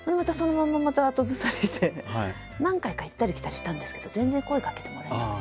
まんままた後ずさりして何回か行ったり来たりしたんですけど全然声かけてもらえなくて。